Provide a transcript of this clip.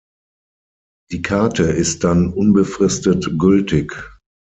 Die Karte ist dann unbefristet gültig.